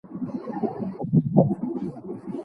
هدفمند تزریق لږ مواد غواړي.